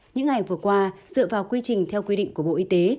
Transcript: những ngày vừa qua dựa vào quy trình theo quy định của bộ y tế